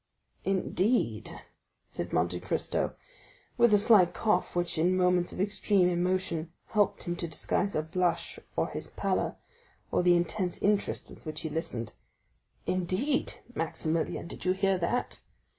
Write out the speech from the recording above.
"Indeed!" said Monte Cristo with a slight cough which in moments of extreme emotion helped him to disguise a blush, or his pallor, or the intense interest with which he listened; "indeed, Maximilian, did you hear that?"